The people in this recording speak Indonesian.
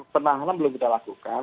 penahanan belum kita lakukan